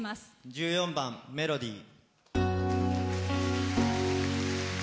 １４番「メロディー」。